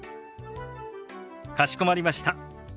かしこまりました。